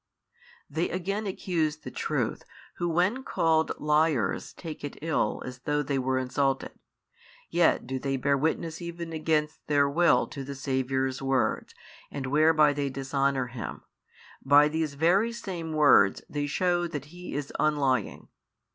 They again accuse the Truth who when called liars take it ill as though they were insulted: yet do they bear witness even against their will to the Saviour's words and whereby they dishonour Him, by these very same words they shew that He is unlying.